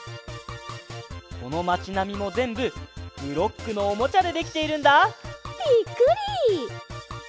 このまちなみもぜんぶブロックのおもちゃでできているんだ！びっくり！